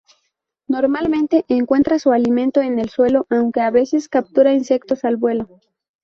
Normalmente encuentra su alimento en el suelo, aunque a veces captura insectos al vuelo.